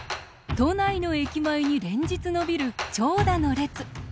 都内の駅前に連日伸びる長蛇の列。